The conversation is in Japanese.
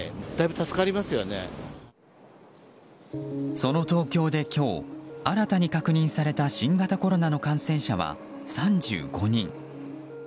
その東京で今日、新たに確認された新型コロナの感染者は３５人。